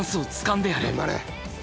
頑張れ！